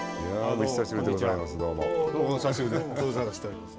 お久しぶりです。